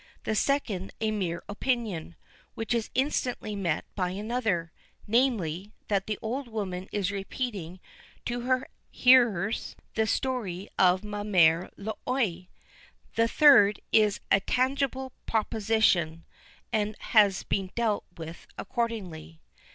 The second a mere opinion, which is instantly met by another namely, that the old woman is repeating to her hearers the stories of Ma Mère l'Oye. The third is a tangible proposition, and has been dealt with accordingly.